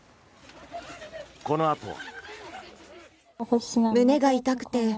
このあとは。